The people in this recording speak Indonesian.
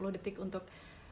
tiga puluh detik untuk